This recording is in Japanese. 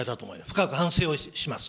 深く反省をします。